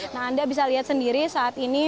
nah anda bisa lihat sendiri saat ini